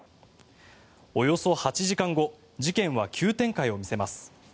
およそ８時間後事件は急展開を見せます。